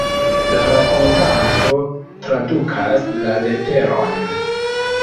La rakontanto tradukas la leteron.